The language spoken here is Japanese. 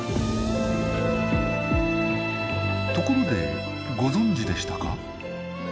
ところでご存じでしたか？